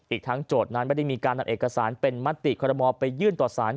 อีกทั้งโจทย์นั้นไม่ได้มีการนำเอกสารเป็นมติคอรมอลไปยื่นต่อสาร